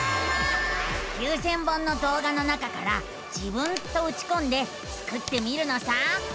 ９，０００本のどう画の中から「自分」とうちこんでスクってみるのさ。